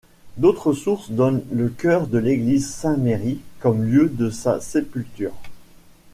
D'autres sources donnent le chœur de l'église Saint-Merri comme lieu de sa sépulture.